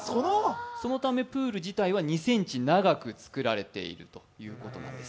そのためプール自体は２ｃｍ長く造られているということなんです。